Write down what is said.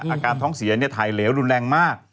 อาการท้องเสียถ่ายเหลวรุนแรงมาก